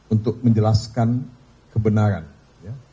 untuk menjelaskan kebenaran ya